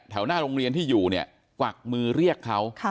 หน้าโรงเรียนที่อยู่เนี่ยกวักมือเรียกเขา